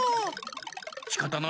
しかたない。